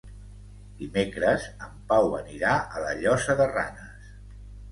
Dimecres en Pau anirà a la Llosa de Ranes.